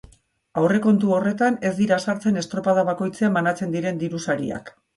Aurrekontu horretan ez dira sartzen estropada bakoitzean banatzen diren diru sariak.